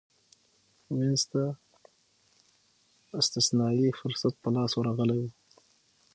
وینز ته استثنايي فرصت په لاس ورغلی و